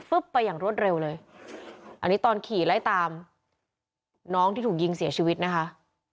ไปอย่างรวดเร็วเลยอันนี้ตอนขี่ไล่ตามน้องที่ถูกยิงเสียชีวิตนะคะ